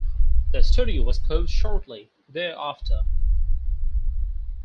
The studio was closed shortly thereafter.